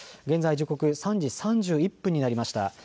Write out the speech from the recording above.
現在、時刻３時３１分になりました。